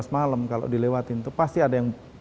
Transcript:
malam kalau dilewati itu pasti ada yang